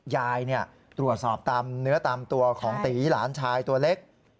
ยายตรวจสอบตามเนื้อตามตัวของตีหลานชายตัวเล็ก